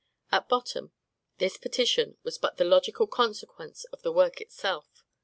At bottom, this petition was but the logical consequence of the work itself.